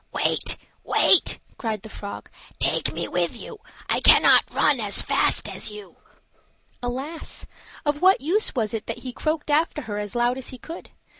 "Wait! wait!" cried the frog; "take me with you. I cannot run as fast as you." Alas! of what use was it that he croaked after her as loud as he could.